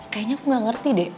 kayak nya aku gak ngerti deh